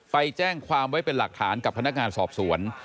ไปแจ้งความไว้เป็นหลักฐานกับพนักงานสอบสวน